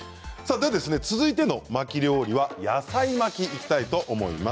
続いての巻き料理は野菜巻きにいきたいと思います。